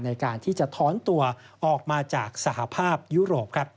ในการที่จะท้อนตัวออกมาจากสหภาพยุโรปครับ